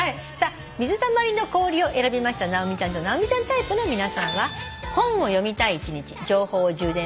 「水たまりの氷」を選びました直美ちゃんと直美ちゃんタイプの皆さんは。